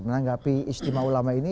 menanggapi istimewa ulama ini